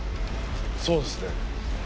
そうですね。